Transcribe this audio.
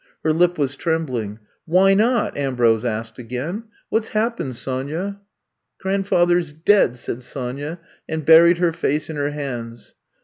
Her lip was trembling. Why not!" Ambrose asked again. '*What 's happened, Sonya f" I'VE COMB TO STAY 53 Grandfather 's dead!*' said Sonya, and buried her face in her hands.